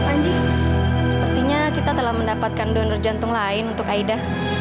dr panji sepertinya kita telah mendapatkan duner jantung lain untuk aida